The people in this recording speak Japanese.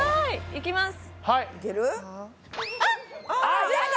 いきます。